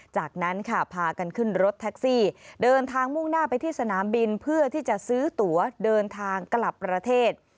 จากนั้นค่ะพากันขึ้นรถแท็กซี่เดินทางมุ่งหน้าไปที่สนามบินเพื่อที่จะซื้อตัวเดินทางกลับประเทศ